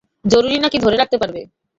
জরুরী নাকি ধরে রাখতে পারবে?